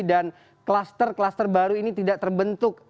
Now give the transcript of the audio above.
dan klaster klaster baru ini tidak terbentuk